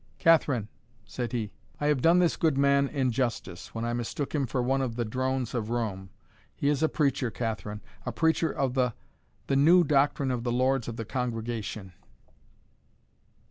"Catherine," said he, "I have done this good man injustice, when I mistook him for one of the drones of Rome. He is a preacher, Catherine a preacher of the the new doctrine of the Lords of the Congregation."